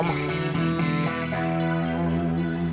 meka biar ibu mengenerpah